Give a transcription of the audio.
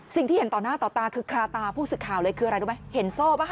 สิ่งที่เห็นต่อหน้าต่อตาคือคาตาผู้สื่อข่าวเลยคืออะไรรู้ไหมเห็นโซ่ป่ะ